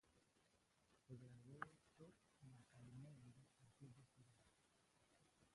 Se graduó de actor en la Academia de Bellas Artes de Tirana.